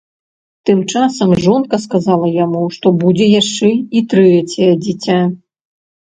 Тым часам жонка сказала яму, што будзе яшчэ і трэцяе дзіця.